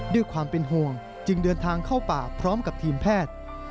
ด้วยความเป็นห่วงจึงเดินทางเข้าป่าพร้อมกับทีมแพทย์